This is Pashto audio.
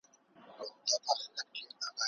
که نجونې رسامي وکړي نو رنګونه به نه مري.